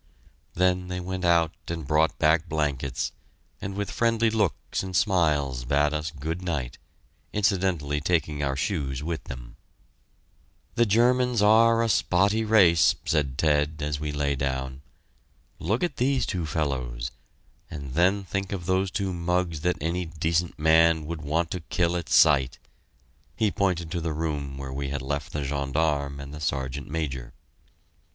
Then they went out and brought back blankets, and with friendly looks and smiles bade us good night, incidentally taking our shoes with them. "The Germans are a spotty race," said Ted, as we lay down. "Look at these two fellows and then think of those two mugs that any decent man would want to kill at sight!" He pointed to the room where we had left the gendarme and the Sergeant Major.